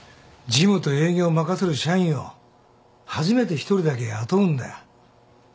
事務と営業任せる社員を初めて１人だけ雇うんだよ。